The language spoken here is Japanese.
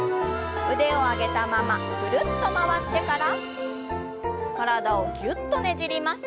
腕を上げたままぐるっと回ってから体をぎゅっとねじります。